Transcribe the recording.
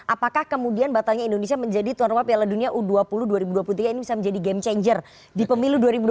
apakah kemudian batalnya indonesia menjadi tuan rumah piala dunia u dua puluh dua ribu dua puluh tiga ini bisa menjadi game changer di pemilu dua ribu dua puluh